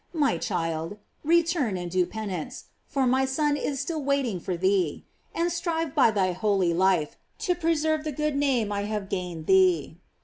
My child, return, and do penance, for my Son is still waiting for thee; and strive by thy holy life to preserve the good name I have gained thee."